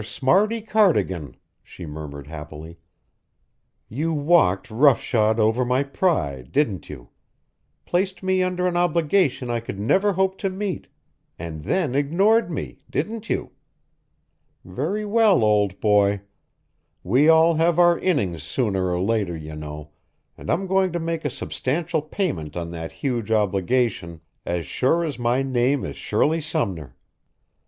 Smarty Cardigan," she murmured happily, "you walked rough shod over my pride, didn't you! Placed me under an obligation I could never hope to meet and then ignored me didn't you? Very well, old boy. We all have our innings sooner or later, you know, and I'm going to make a substantial payment on that huge obligation as sure as my name is Shirley Sumner.